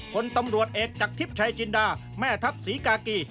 ผลตำรวจเอกจากทิพย์ชัยจินดาแม่ทัพศรีกากี